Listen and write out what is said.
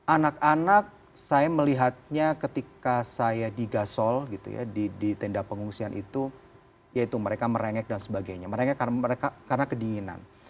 anak anak saya melihatnya ketika saya di gasol gitu ya di tenda pengungsian itu yaitu mereka merengek dan sebagainya karena kedinginan